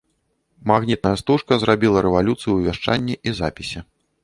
Магнітная стужка зрабіла рэвалюцыю ў вяшчанні і запісе.